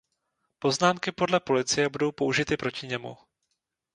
Poznámky podle policie budou použity proti němu.